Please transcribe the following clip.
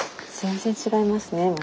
全然違いますね。